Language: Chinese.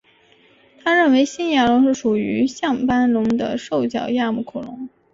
他认为新牙龙是属于像斑龙的兽脚亚目恐龙。